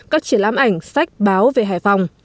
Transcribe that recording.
các triển lãm ảnh sách báo về hải phòng